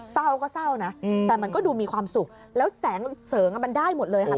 เศร้าก็เศร้านะแต่มันก็ดูมีความสุขแล้วแสงเสริงมันได้หมดเลยค่ะ